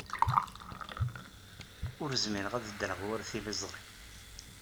Ur zmireɣ ad ddreɣ war tiliẓri.